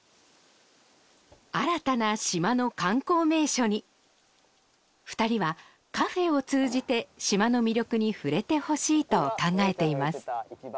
新たな島の観光名所に２人はカフェを通じて島の魅力に触れてほしいと考えています